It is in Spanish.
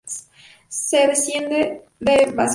Es descendiente de vascos.